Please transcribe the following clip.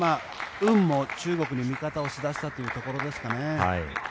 運も中国に見方をし出したというところですかね。